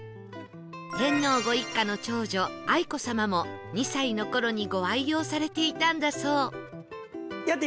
天皇ご一家の長女愛子さまも２歳の頃にご愛用されていたんだそう